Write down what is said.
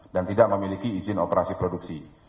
dan tidak memiliki izin operasi produksi